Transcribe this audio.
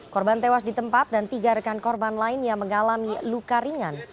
korban tewas di tempat dan tiga rekan korban lain yang mengalami luka ringan